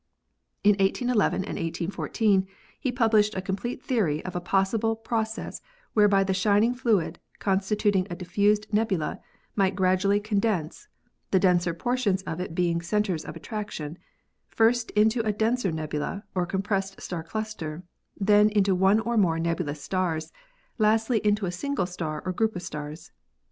In 181 1 and 1814 he published a complete theory of a possible process whereby the shining fluid constituting a diffused nebula might gradually con dense — the denser portions of it being centers of attraction — first into a denser nebula or compressed star cluster, then into one or more nebulous stars, lastly into a single star or group of stars.